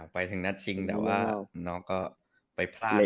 ไปถึงนัดชิงแต่ว่าน้องก็ไปพลาด